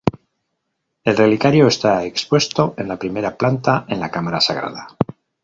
El relicario está expuesto en la primera planta, en la cámara sagrada.